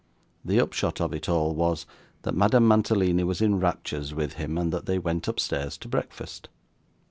The upshot of it all was, that Madame Mantalini was in raptures with him, and that they went upstairs to breakfast.